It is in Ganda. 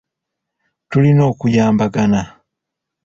Tulina okuyambagana.